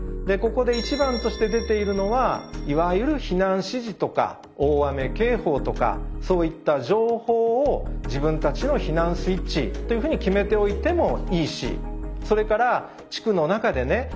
ここで一番として出ているのはいわゆる避難指示とか大雨警報とかそういった情報を自分たちの避難スイッチというふうに決めておいてもいいしそれから地区の中でね